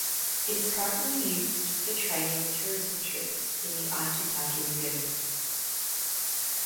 It is currently used for training and tourism trips in the Aitutaki lagoon.